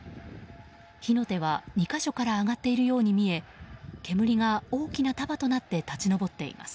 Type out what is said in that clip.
火の手は２か所から上がっているように見え煙が大きな束となって立ち上っています。